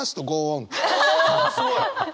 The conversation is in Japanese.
おすごい！